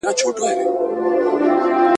او وروسته د «اما» يا «درگا» په بڼه کي راسربېره سو